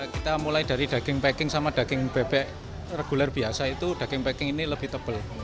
kita mulai dari daging peking sama daging bebek reguler biasa itu daging peking ini lebih tebal